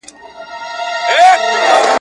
د هغه سړي یې مخ نه وي کتلی ,